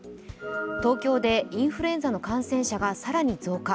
東京でインフルエンザの感染者が更に増加。